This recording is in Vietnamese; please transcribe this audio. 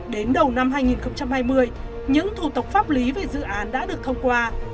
đến đầu năm hai nghìn hai mươi những thủ tục pháp lý về dự án đã được thông qua